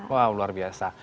wow luar biasa